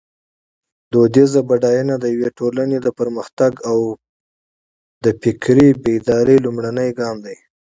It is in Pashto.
فرهنګي بډاینه د یوې ټولنې د پرمختګ او د فکري بیدارۍ لومړنی ګام دی.